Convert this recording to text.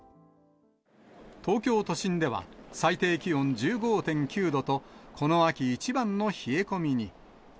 東京都心では、最低気温１５．９度と、この秋一番の冷え込みに。